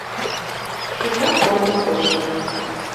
Шукат корным коштым